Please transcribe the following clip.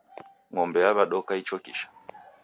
Ng'ombe yaw'edoka ichokisha.